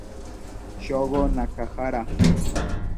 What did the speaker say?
Shogo Nakahara